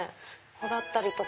穂だったり。